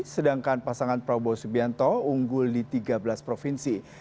sedangkan pasangan prabowo subianto unggul di tiga belas provinsi